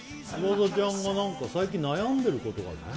翼ちゃんは何か最近悩んでることがあるの？